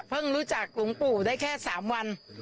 รู้จักหลวงปู่ได้แค่๓วัน